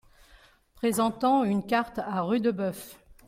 Présentant une carte à Rudebeuf.